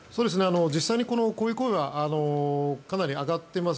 実際にこういう声がかなり上がっています。